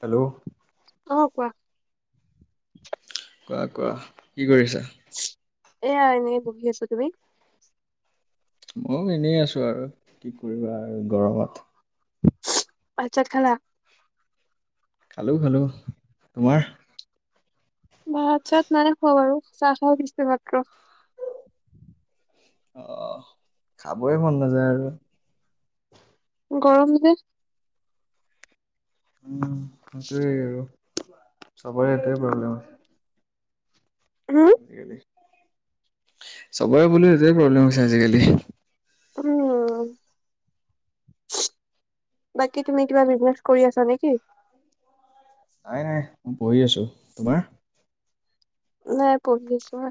Hello. অ' কোৱা? কোৱা কোৱা। কি কৰিছা? এয়া এনেই বহি আছোঁ। তুমি? ময়ো এনেই আছোঁ আৰু কি কৰিবা আৰু গৰমত। ভাত চাত খালা? খালো খালো। তোমাৰ? ভাত চাত নাই খোৱা বাৰু, চাহ খাই দিছোঁ মাত্ৰ। অ' খাবই মন নাযায় আৰু। গৰম যে। উম, সেইটোৱেই আৰু চবৰে এইটোৱে প্ৰব্লেম আছে। উ চবৰে বুলো এইটোৱেই প্ৰব্লেম হৈছে আজিকালি। উম। বাকী তুমি কিবা বিজনেচ কৰি আছা নেকি? নাই নাই, মই পঢ়ি আছোঁ। তোমাৰ? নাই, পঢ়ি আছোঁহে।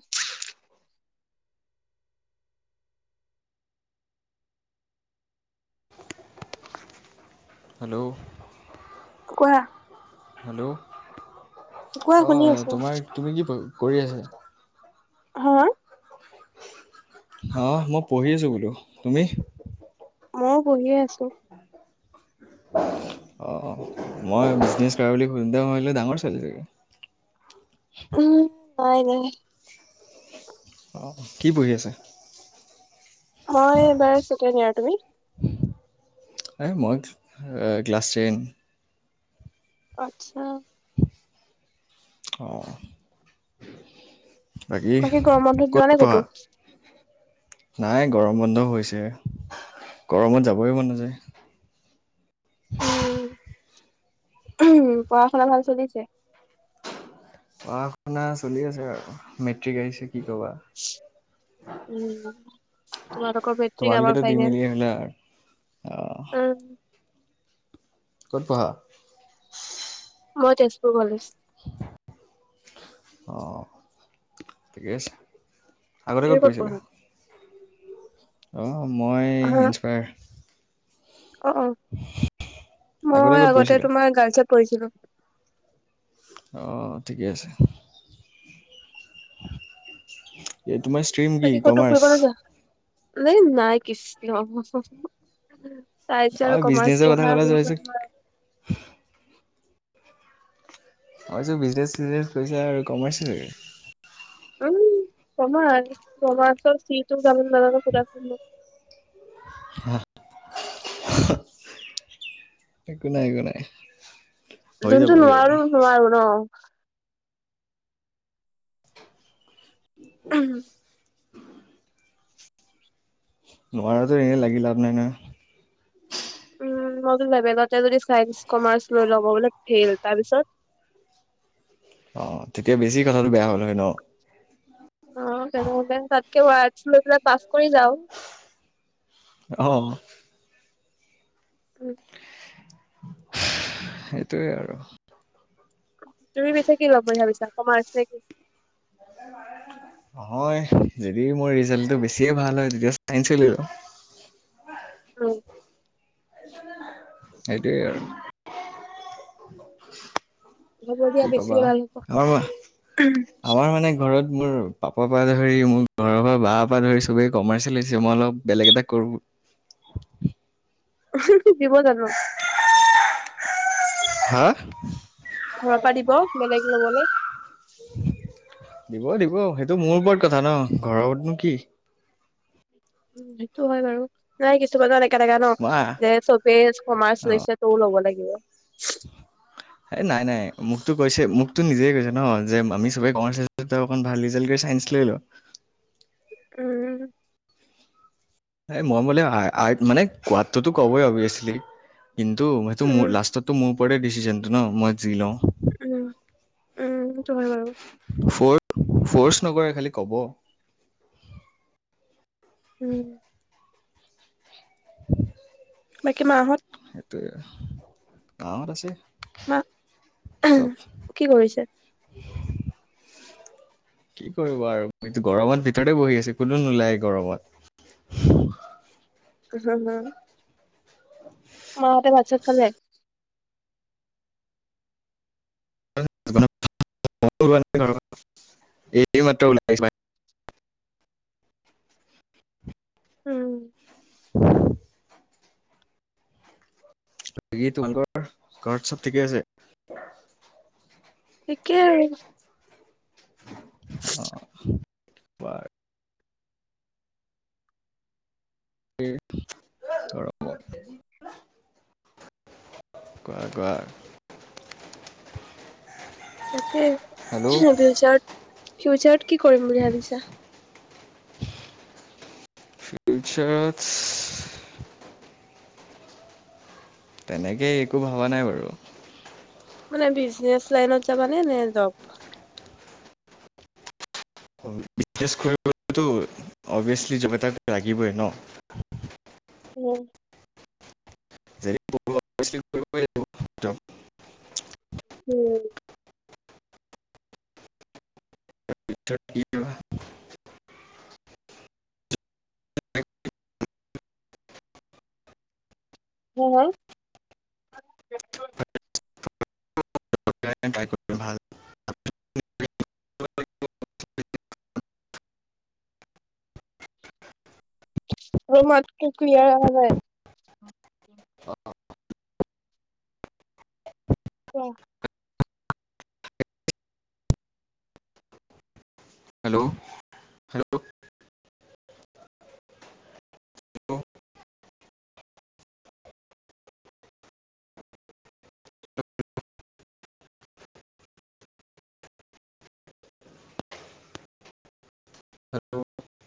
হেল্ল'। কোৱা? হেল্ল' কোৱা শুনি অ' আছো তোমাৰ তুমি কি কৰি আছা? হে? অ' মই পঢ়ি আছোঁ বোলো। তুমি? ময়ো পঢ়িয়ে আছোঁ। অ' মই বিজনেছ কৰা বুলি শুনোতে বুলে ডাঙৰ ছোৱালী চাগে। উম, হয় দে। অ' কি পঢ়ি আছে? মই এইবাৰ ছেকেণ্ড য়াৰ। তুমি? এই মই ক্লাছ টেন। আচ্ছা। অ'। বাকী গৰম বন্ধত যোৱা নাই ক'তো? নাই গৰম বন্ধ হৈছেহে। গৰমত যাবই মন নাযায়। উম, পঢ়া শুনা ভাল চলিছে? পঢ়া শুনা চলি আছে আৰু, মেট্ৰিক আহিছে কি ক'বা। উম, তোমালোকৰ মেট্ৰিক তোমালোকেতো আমাৰ দি মেলি ফাইনেল। আহিলা অঁ উম। ক'ত পঢ়া? মই তেজপুৰ কলেজ। [unintelligible] অ', ঠিকে আছে। আগতে তুমি ক'ত পঢ়িছিলা? পঢ়া অ', মই হা ইন্সপায়াৰ। অ', অ', মই ক'ত আগতে পঢ়িছিলা তোমাৰ গাৰ্লছত পঢ়িছিলোঁ। অ', ঠিকে আছে। এ তোমাৰ ষ্ট্ৰ্ৰীম কি? কমাৰ্চ। নাই নাই, কৃষ্ণ। চাইন্স অঁ আৰু কমাৰ্চ বিজনেছৰ কথা পঢ়া ক'লে যে মই ভাবিছোঁ নহয়। মইটো বিজনেছ চিজনেছ কৰিছা আৰু কমাৰ্চিয়েল চাগে। উম্, কমাৰ্চ। কমাৰ্চ চি তো জানোন নাজানোঁ সুধাছোন। হ। একো নাই, একো নাই। হৈ যাব যোনটো হৈ যাব নোৱাৰো, নোৱাৰো ন। উম [unintelligible] নোৱাৰাটো এনেই লাগি লাভ নাই নহয়। উম্, মই লেভেলতে যদি চাইন্স, কমাৰ্চ লৈ ল'ব বোলে ফেইল। তাৰ পিছত, অ', তেতিয়া বেছি কথাটো বেয়া হ'ল হয় ন। অ', তেনেহলে। তাতকে মই আৰ্টচ লৈ পেলাই পাছ কৰি যাওঁ। অ' উম্ সেইটোৱে আৰু। তুমি পিছে কি ল'ম বুলি ভাবিছাঁ, কমাৰ্চ নে কি? নহয়, যদি মোৰ ৰিজাল্টটো বেছিয়ে ভাল হয়, তেতিয়া চাইঞ্চে লৈ লম। উম্ [unintelligible] সেইটোৱেই আৰু। হ'ব দিয়া কি বেছি ক'বা, ওলাল আমাৰ আমাৰ মানে ঘৰত মোৰ পাপাৰ পৰা ধৰি, মোৰ ঘৰৰ পৰা বাৰ পৰা ধৰি চবেই কমাৰ্চে লৈছে, মই অলপ বেলেগ এটা কৰোঁ দিব জানোঁ? হা' ঘৰৰ পৰা দিব, বেলেগ লবলৈ। দিব দিব, সেইটো মোৰ ওপৰত কথা ন, ঘৰতনো কি। উম্, সেইটো হয় বাৰু, নাই কিছুমানে এনেকা এনেকা ন, মই যে চবেই কমাৰ্চ অ লৈছে টয়ো ল'ব লাগিব। এ নাই নাই, মোকতো কৈছে। মোকতো নিজে কৈছে ন, যে আমি সবে কমাৰ্চ লৈছোঁ। তই অকণ ভাল ৰিজাল্ট কৰি চাইঞ্চ লৈ ল। উম্ এই মই বোলে আ আৰ্ট মানে, কোৱাতটোতো ক'বৈ অবিয়েচলি। কিন্তু সেইটো, মোৰ উম, লাষ্টততো মোৰ ওপৰতে ডিচিশনটো ন, মই যি লওঁ। উম্, উম্, সেইটো হয় বাৰু। ফ'ৰ্চ, ফ'ৰ্চ নকৰে খালি ক'ব। উম্ [unintelligible] বাকী মা হঁত সেইটোৱে, মাহঁত আছে। মা চব কি কৰিছে? কি কৰিব আৰু, এইটো গৰমত ভিতৰতে বহি আছোঁ, কোনো নোলায় গৰমত। হা, হা মাহঁতে ভাত চাত খালে? এই মাত্ৰ ওলাই আহিছোঁ। ভাত কেইটা খাই। উম উম [unintelligible] কি তোমালোকৰ ঘৰত চব ঠিকে আছে? থিকে আৰু অ' বাৰু স [unintelligible] কোৱা কোৱা তাকে হেল্ল' ফিউচাৰত ফিউচাৰত কি কৰিম বুলি ভাবিছা? ফিউচাৰ তেনেকে একো ভবা নাই বাৰু। মানে বিজনেচ লাইনত যাবানে নে, নে জব? বিজনেছ কৰিবলেটো অবিয়েচলি যিপ এটা লাগিবই ন। উম [unintelligible] উম পছাঠ [unintelligible] হ হা [unintelligible] উ [unintelligible] [unintelligible] ৰ মাতকে কিয়া অহা নাই [unintelligible] অঁ অ [inaudible] হেল্ল' হেল্ল' হেল্ল'